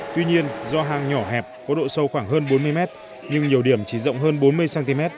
tuy nhiên do hang nhỏ hẹp có độ sâu khoảng hơn bốn mươi mét nhưng nhiều điểm chỉ rộng hơn bốn mươi cm